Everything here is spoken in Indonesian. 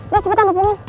lu cepetan hubungin